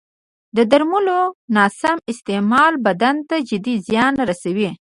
د درملو نه سم استعمال بدن ته جدي زیان رسوي.